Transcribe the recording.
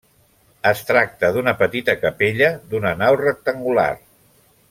Es tracta d'una petita capella d'una nau rectangular.